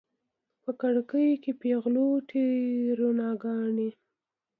په کړکیو کې پیغلوټې روڼاګانې